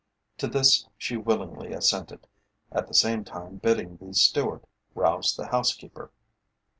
To this she willingly assented, at the same time bidding the steward rouse the housekeeper.